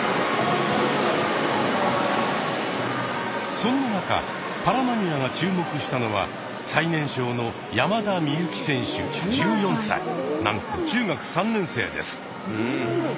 そんな中「パラマニア」が注目したのは最年少のなんと中学３年生です。